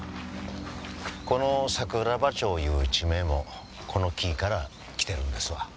この桜庭町いう地名もこの木から来てるんですわ。